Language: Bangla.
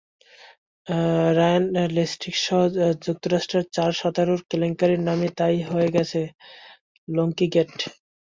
রায়ান লোক্টিসহ যুক্তরাষ্ট্রের চার সাঁতারুর কেলেঙ্কারির নামই তাই হয়ে গেছে লোক্টি-গেট।